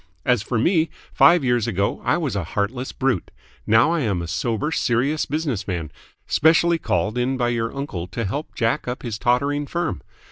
As for me, five years ago I was a heartless brute. Now I am a sober serious business man, specially called in by your uncle to help jack up his tottering firm.